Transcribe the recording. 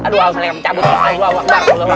aduh malaikat cabut